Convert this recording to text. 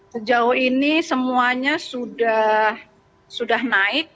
sejauh ini semuanya sudah naik